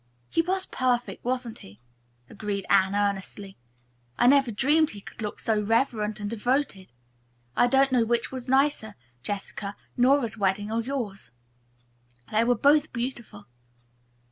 "He was perfect, wasn't he?" agreed Anne earnestly. "I never dreamed he could look so reverent and devoted. I don't know which was nicer, Jessica, Nora's wedding or yours. They were both beautiful."